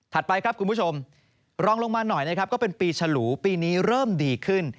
ไปครับคุณผู้ชมรองลงมาหน่อยนะครับก็เป็นปีฉลูปีนี้เริ่มดีขึ้น